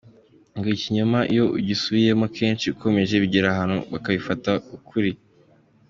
Ngo ikinyoma iyo ugisubiyemo kenshi ukomeje, bigera aho abantu bakabifataho ukuri.